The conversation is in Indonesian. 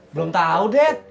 belum tau det